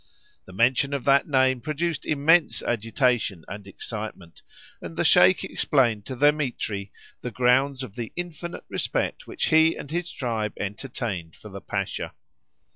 The mention of that name produced immense agitation and excitement, and the Sheik explained to Dthemetri the grounds of the infinite respect which he and his tribe entertained for the Pasha.